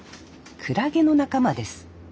クラゲの仲間です。